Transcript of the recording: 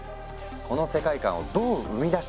この世界観をどう生み出したのか？